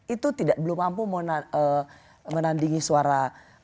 itu belum mampu menandingi suara